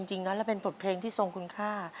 จริงนั้นมันเป็นปลดเพลงที่ทรงคุณค่า